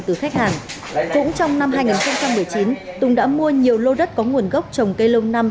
từ khách hàng cũng trong năm hai nghìn một mươi chín tùng đã mua nhiều lô đất có nguồn gốc trồng cây lâu năm